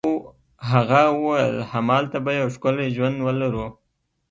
هغې وویل: همالته به یو ښکلی ژوند ولرو.